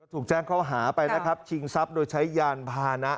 ถูกแจ้งข้อหาไปนะครับชิงทรัพย์โดยใช้ยานพานะ